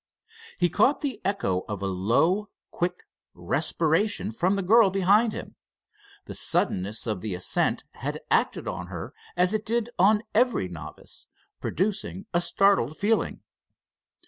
He caught the echo of a low, quick respiration from the girl behind him. The suddenness of the ascent had acted on her as it did on every novice, producing a startled feeling.